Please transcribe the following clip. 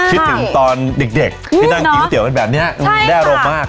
คิดถึงตอนเด็กที่นั่งกินก๋วกันแบบนี้ได้อารมณ์มาก